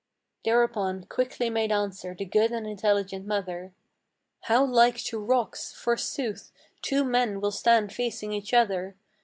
Thereupon quickly made answer the good and intelligent mother: "How like to rocks, forsooth, two men will stand facing each other!